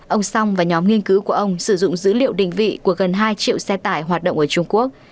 ông song và nhóm nghiên cứu của ông sử dụng dữ liệu định vị của gần hai triệu xe tải hoạt động ở trung quốc